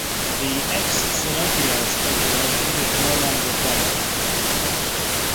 This "ex silentio" speculation is no longer followed.